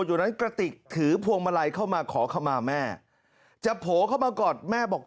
อยู่นั้นกระติกถือพวงมาลัยเข้ามาขอขมาแม่จะโผล่เข้ามากอดแม่บอก